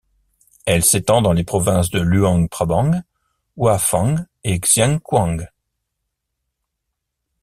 Elle s'étend dans les provinces de Luang Prabang, Houaphan et Xieng Khouang.